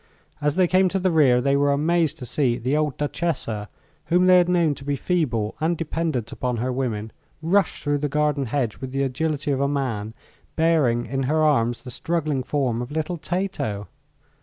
As they came to the rear they were amazed to see the old Duchessa, whom they had known to be feeble and dependent upon her women, rush through the garden hedge with the agility of a man, bearing in her arms the struggling form of little Tato.